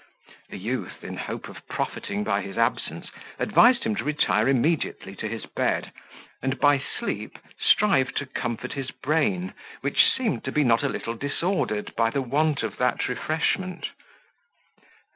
The youth, in hope of profiting by his absence, advised him to retire immediately to his bed, and by sleep strive to comfort his brain, which seemed to be not a little disordered by the want of that refreshment.